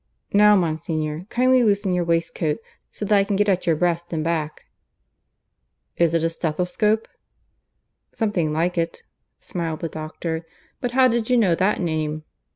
. Now, Monsignor, kindly loosen your waistcoat, so that I can get at your breast and back." "Is it a stethoscope?" "Something like it," smiled the doctor. "But how did you know that name?